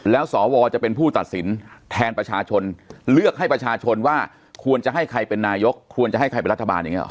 แล้วสวจะเป็นผู้ตัดสินแทนประชาชนเลือกให้ประชาชนว่าควรจะให้ใครเป็นนายกควรจะให้ใครเป็นรัฐบาลอย่างนี้หรอ